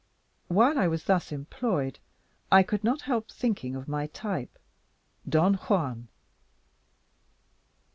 While I was thus employed, I could not help thinking of my type, Don Juan.